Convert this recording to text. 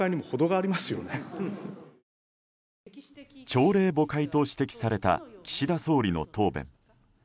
朝令暮改と指摘された岸田総理の答弁。